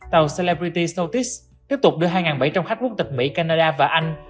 tàu celbrity soltis tiếp tục đưa hai bảy trăm linh khách quốc tịch mỹ canada và anh